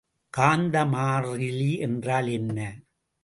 காந்த மாறிலி என்றால் என்ன?